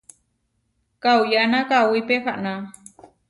Kauyána kawí pehaná.